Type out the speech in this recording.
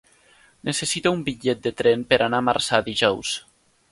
Necessito un bitllet de tren per anar a Marçà dijous.